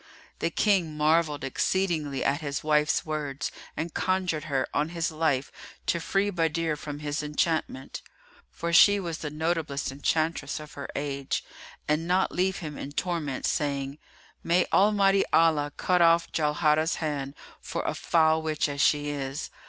[FN#334] The King marvelled exceedingly at his wife's words and conjured her, on his life, to free Badr from his enchantment (for she was the notablest enchantress of her age), and not leave him in torment, saying, "May Almighty Allah cut off Jauharah's hand, for a foul witch as she is!